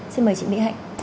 xin mời chị mỹ hạnh